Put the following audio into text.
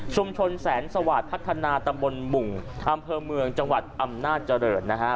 ชุมชนแสนสวัสดิ์พัฒนาตะบลหมุ่งท่ามเพิ่มเมืองจังหวัดอำนาจริงนะฮะ